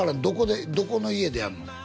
どこでどこの家でやるの？